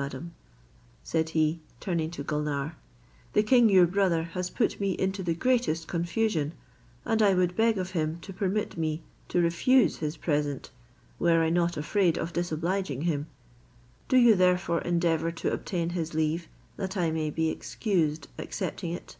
Madam," continued he, turning to Gulnare, "the king your brother has put me into the greatest confusion; and I would beg of him to permit me to refuse his present, were I not afraid of disobliging him: do you therefore endeavour to obtain his leave that I may be excused accepting it."